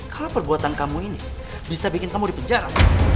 kalau perbuatan kamu ini bisa bikin kamu di penjara